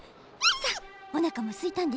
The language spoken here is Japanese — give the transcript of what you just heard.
さっおなかもすいたんでしょ。